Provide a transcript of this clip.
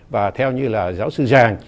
và theo như là giáo sư giang